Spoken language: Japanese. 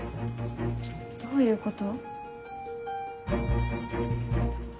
どういうこと？